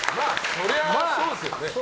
そりゃそうですよね。